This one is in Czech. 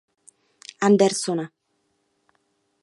Andersona.